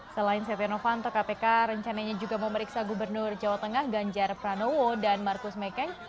selain setia novanto kpk rencananya juga memeriksa gubernur jawa tengah ganjar pranowo dan markus mekeng